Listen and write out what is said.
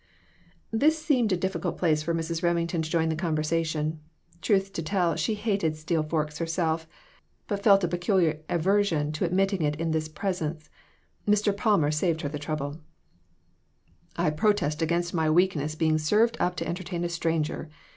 This seemed a difficult place for Mrs. Reming ton to join the conversation. Truth to tell, she hated steel forks herself, but felt a peculiar aver sion to admitting it in this presence. Mr. Palmer saved her the trouble "I protest against my weaknesses being served up to entertain a stranger.